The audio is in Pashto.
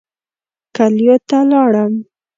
کلیو ته لاړم.